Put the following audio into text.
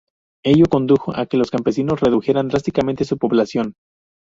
Ello condujo a que los campesinos redujeran drásticamente su producción.